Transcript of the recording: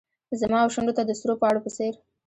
زما وشونډو ته د سرو پاڼو په څیر